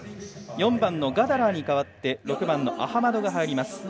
４番のガダラーに代わって６番のアハマドが入ります。